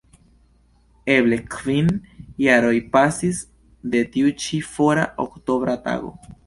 Eble kvin jaroj pasis de tiu ĉi fora oktobra tago.